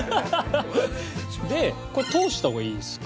でこれ通した方がいいですか？